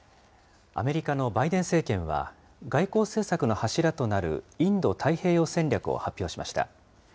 アメリカのバイデン政権は、外交政策の柱となるインド太平洋戦略を発表しました。